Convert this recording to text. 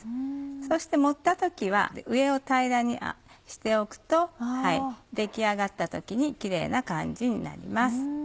そして盛った時は上を平らにしておくと出来上がった時にキレイな感じになります。